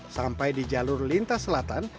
sampai di jalur lintas selatan